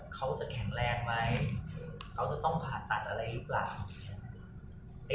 เขาจะแข็งแรงไหมเขาจะต้องผ่าตัดอะไรหรือเปล่า